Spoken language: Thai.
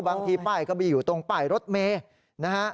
บางทีป้ายก็ไปอยู่ตรงป้ายรถเมย์นะฮะ